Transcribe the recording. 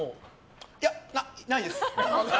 いや、ないです。